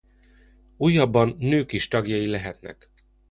Újabban nők is tagjai lehetnek.